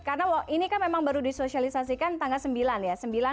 karena ini kan memang baru disosialisasikan tanggal sembilan ya